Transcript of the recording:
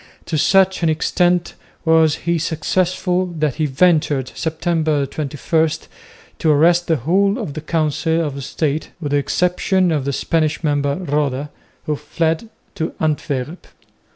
To such an extent was he successful that he ventured, Sept. 21, to arrest the whole of the Council of State with the exception of the Spanish member Roda, who fled to Antwerp.